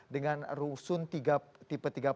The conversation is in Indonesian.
dengan rusun tipe tiga puluh